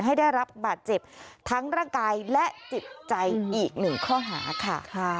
ให้ได้รับบาดเจ็บทั้งร่างกายและจิตใจอีกหนึ่งข้อหาค่ะ